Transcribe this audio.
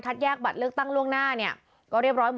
แยกบัตรเลือกตั้งล่วงหน้าเนี่ยก็เรียบร้อยหมด